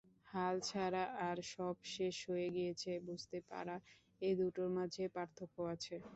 হাল ছাড়া আর সব শেষ হয়ে গিয়েছে বুঝতে পারা এ দুটোর মাঝে পার্থক্য আছে।